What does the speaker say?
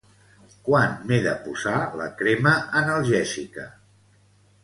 Quan m'he de posar la crema analgèsica?